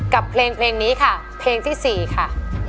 กับเพลงนี้ค่ะเพลงที่๔ค่ะ